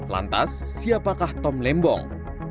lantas siapakah tom lembong